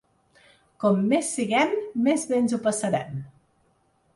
Com més siguem, més bé ens ho passarem.